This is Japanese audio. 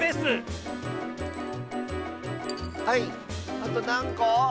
あとなんこ？